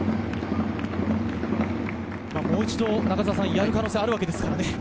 もう一度やる可能性があるわけですからね。